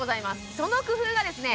その工夫がですね